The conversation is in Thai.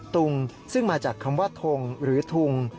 ตุงซึ่งมาจากคำว่าทงหรือทุง